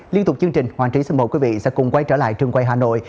liên tục chương trình hoàng trí xin mời quý vị sẽ cùng quay trở lại trường quay hà nội